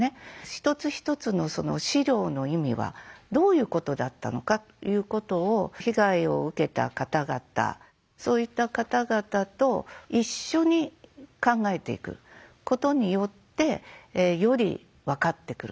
一つ一つの資料の意味はどういうことだったのかということを被害を受けた方々そういった方々と一緒に考えていくことによってより分かってくる。